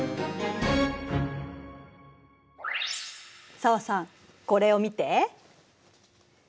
紗和さんこれを見て。